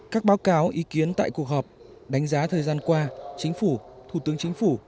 các báo cáo ý kiến tại cuộc họp đánh giá thời gian qua chính phủ thủ tướng chính phủ